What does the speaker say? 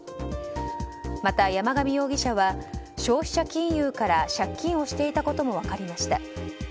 また、山上容疑者は消費者金融から借金をしていたことも分かりました。